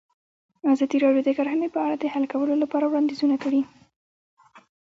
ازادي راډیو د کرهنه په اړه د حل کولو لپاره وړاندیزونه کړي.